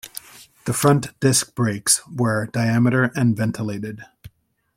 The front disc brakes were diameter and ventilated.